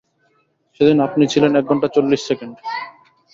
সেদিন আপনি ছিলেন এক ঘণ্টা চল্লিশ সেকেন্ড।